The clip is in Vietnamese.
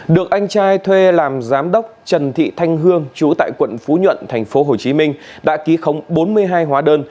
được anh trai thuê làm giám đốc trần thị thanh hương trú tại quận phú nhuận thành phố hồ chí minh đã ký khống bốn mươi hai hóa đơn